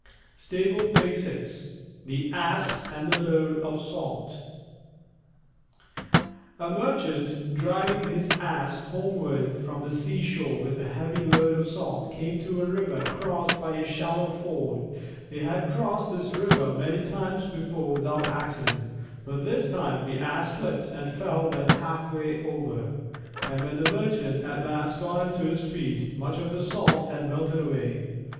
_ THE ASS AND THE LOAD OF SALT A Merchant, driving his Ass homeward from the seashore with a heavy load of salt, came to a river crossed by a shallow ford. They had crossed this river many times before without accident, but this time the Ass slipped and fell when halfway over. And when the Merchant at last got him to his feet, much of the salt had melted away.